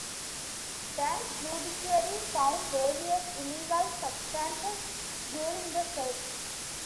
The judiciary found various illegal substances during the search.